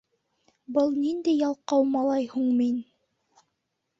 Был ниндәй ялҡау малай һуң мин?!